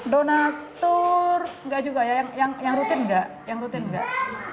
tentu nggak juga ya yang rutin nggak